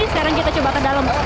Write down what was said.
sekarang kita coba ke dalam